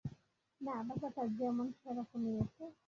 না, ব্যাপারটা যেমন সেরকমই, ওকে?